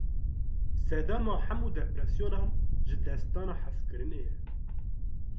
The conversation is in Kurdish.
Sedema hemû depresyonan, jidestdana hezkirinê ye.